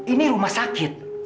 ini rumah sakit